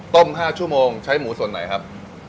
๕ชั่วโมงใช้หมูส่วนไหนครับ